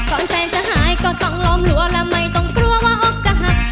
แฟนจะหายก็ต้องล้มหัวและไม่ต้องกลัวว่าอกจะหัก